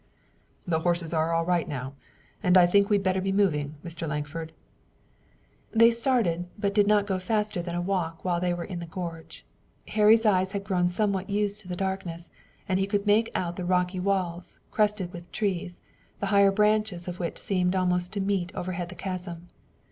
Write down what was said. "The horses are all right now and I think we'd better be moving, Mr. Lankford." They started, but did not go faster than a walk while they were in the gorge. Harry's eyes had grown somewhat used to the darkness, and he could make out the rocky walls, crested with trees, the higher branches of which seemed almost to meet over the chasm.